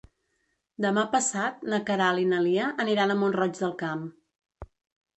Demà passat na Queralt i na Lia aniran a Mont-roig del Camp.